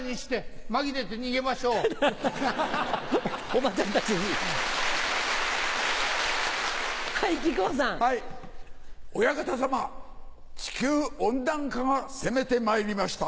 お屋形さま地球温暖化が攻めてまいりました。